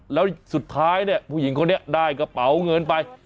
แล้วสุดท้ายเนี่ยผู้หญิงคนนี้ได้กระเป๋าเงินไป